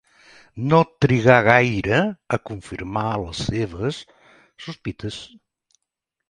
No trigà gaire a confirmar les seves sospites.